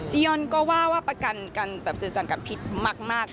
จียอนก็ว่าว่าประกันการสื่อสรรค์กันผิดมาก